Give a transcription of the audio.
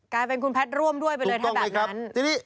กลายเป็นคุณแพทย์ร่วมด้วยไปเลยถ้าแบบนั้น